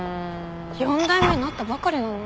４代目になったばかりなのに。